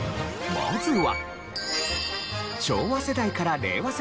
まずは。